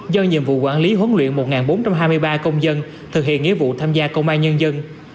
do nhiệm vụ quản lý huấn luyện một bốn trăm hai mươi ba công dân thực hiện nghĩa vụ tham gia công an nhân dân